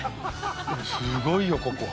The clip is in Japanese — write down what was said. すごいよ、ここ。